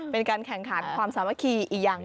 เป็นการแข่งขันความสามัคคีอีกอย่าง